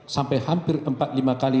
sampai hampir empat lima kali